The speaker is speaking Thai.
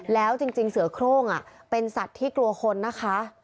แล้วจริงเสือโครงเป็นสัตว์ที่กลัวคนนะคะ